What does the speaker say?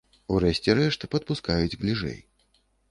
У рэшце рэшт, падпускаюць бліжэй.